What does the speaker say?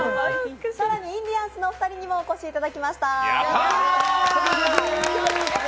更にインディアンスのお二人にもお越しいただきました。